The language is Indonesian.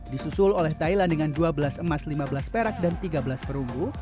disusul oleh thailand dengan dua belas emas lima belas perak dan tiga belas perunggu